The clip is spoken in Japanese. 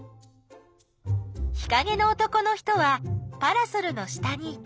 日かげの男の人はパラソルの下にいた。